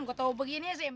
gue tau begini sih